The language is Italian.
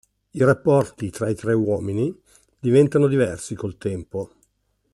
I rapporti tra i tre uomini diventano diversi col tempo.